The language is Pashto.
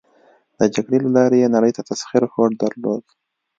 د جګړې له لارې یې نړی تسخیر هوډ درلود.